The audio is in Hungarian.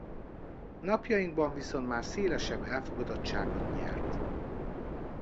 Napjainkban viszont már szélesebb elfogadottságot nyert.